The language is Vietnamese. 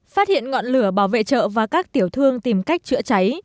phát hiện ngọn lửa bảo vệ chợ và các tiểu thương tìm cách chữa cháy